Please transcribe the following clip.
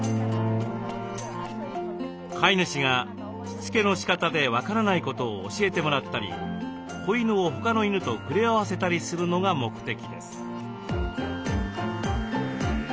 飼い主がしつけのしかたで分からないことを教えてもらったり子犬を他の犬と触れ合わせたりするのが目的です。